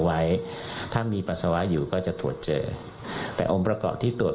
ไว้ถ้ามีปัสสาวะอยู่ก็จะตรวจเจอแต่องค์ประกอบที่ตรวจ